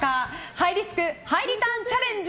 ハイリスクハイリターンチャレンジ。